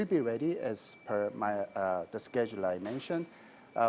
dan mereka menawarkan perkhidmatan untuk membaiki mobil